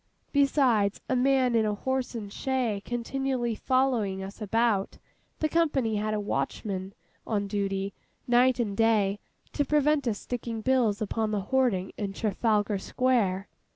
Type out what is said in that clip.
Besides a man in a horse and shay continually following us about, the company had a watchman on duty, night and day, to prevent us sticking bills upon the hoarding in Trafalgar Square.